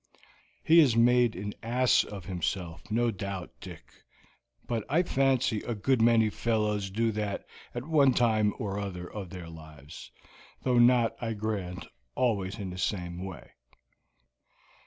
"He has made an ass of himself, no doubt, Dick; but I fancy a good many fellows do that at one time or other of their lives, though not, I grant, always in the same way."